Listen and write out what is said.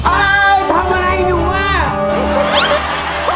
อะไรทำอะไรอยู่ว่ะ